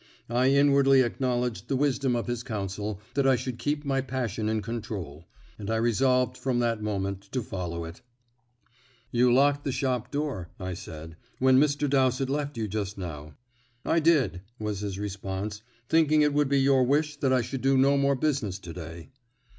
I inwardly acknowledged the wisdom of his counsel that I should keep my passion in control, and I resolved from that moment to follow it. "You locked the shop door," I said, "when Mr. Dowsett left you just now." "I did," was his response, "thinking it would be your wish that I should do no more business to day."